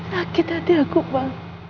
sakit hati aku pa